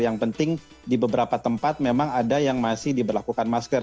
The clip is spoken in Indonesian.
yang penting di beberapa tempat memang ada yang masih diberlakukan masker